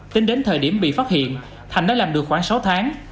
tính đến thời điểm bị phát hiện thành đã làm được khoảng sáu tháng